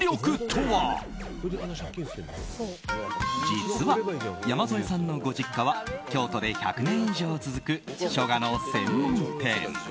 実は山添さんのご実家は京都で１００年以上続く書画の専門店。